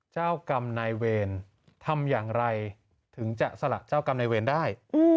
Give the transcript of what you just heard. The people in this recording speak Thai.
เจ้ากรรมนายเวรทำอย่างไรถึงจะสลักเจ้ากรรมนายเวรได้